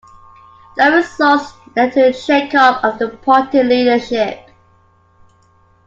The results led to a shake up of the party leadership.